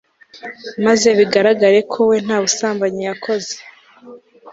maze bigaragare ko we nta busambanyi yakoze